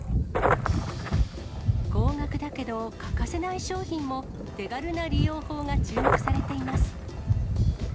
高額だけど欠かせない商品も、手軽な利用法が注目されています。